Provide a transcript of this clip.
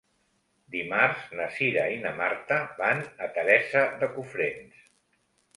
Dimarts na Cira i na Marta van a Teresa de Cofrents.